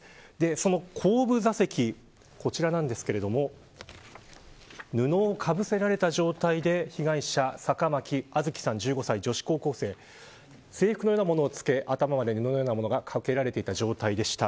その後部座席こちらなんですけども布をかぶせられた状態で被害者坂巻杏月さん、１５歳女子高校生制服のようなものを着け頭まで布のようなものがかけられていた状態でした。